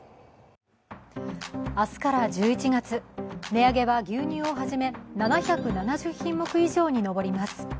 明日から１１月、値上げは牛乳をはじめ７７０品目以上に上ります。